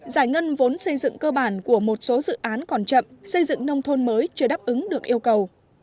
giải ngân vốn xây dựng cơ bản của một số dự án còn chậm xây dựng nông thôn mới chưa đáp ứng được yêu cầu